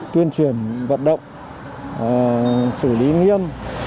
tuyên truyền vận động xử lý nghiêm